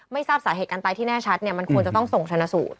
ไม่ทราบสาเหตุการตายที่แน่ชัดมันควรจะต้องส่งชนะสูตร